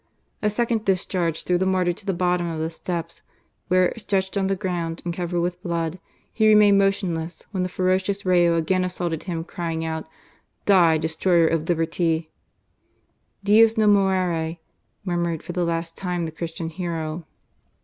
A second discharge threw the martyr to the bottom of the steps, where, stretched on the {ground, and covered with blood, he remained motionless, when the ferocious Rayo again assailed him, crying out, "Die, destroyer of liberty !"" Dtos no mitcrc !" murmured for the last time the Christian hero.